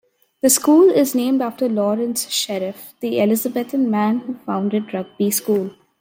The school is named after Lawrence Sheriff, the Elizabethan man who founded Rugby School.